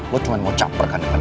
lo cuma mau caperkan depan gue